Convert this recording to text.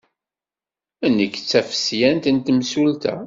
Nekk d tafesyant n temsulta.